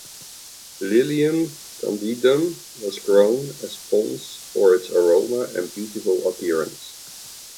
Lilium candidum was grown as ponds for its aroma and beautiful appearance.